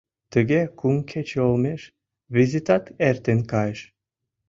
Тыге кум кече олмеш визытат эртен кайыш.